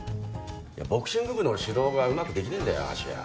ボクシング部の指導がうまくできねえんだよ芦屋。